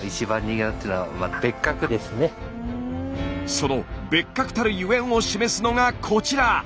その別格たるゆえんを示すのがこちら。